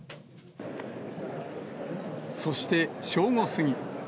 そして正午過ぎ。